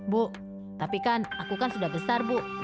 bu tapi kan aku kan sudah besar bu